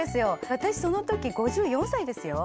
私その時５４歳ですよ。